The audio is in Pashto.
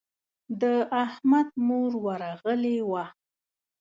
د احمد مور ورغلې وه.